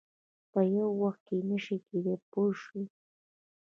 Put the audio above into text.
په یو وخت کې نه شي کېدای پوه شوې!.